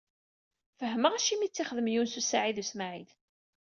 Fehmeɣ acimi i tt-ixdem Yunes u Saɛid u Smaɛil.